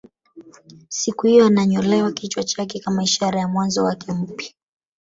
Siku hiyo ananyolewa kichwa chake kama ishara ya mwanzo wake mpya